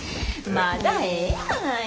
まだええやないの。